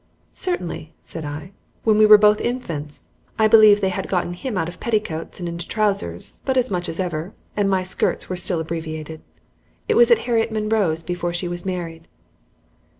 "Certainly," said I; "when we were both infants. I believe they had gotten him out of petticoats and into trousers, but much as ever, and my skirts were still abbreviated. It was at Harriet Munroe's before she was married."